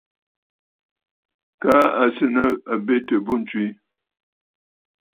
Kaa à sɨ̀ nɨ̂ àbetə̀ bû ǹtswe.